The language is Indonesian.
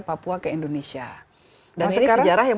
papua ke indonesia dan ini sejarah yang